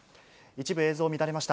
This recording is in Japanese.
一部映像乱れました。